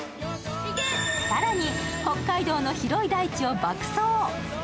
更に、北海道の広い大地を爆走。